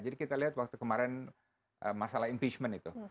jadi kita lihat waktu kemarin masalah impeachment itu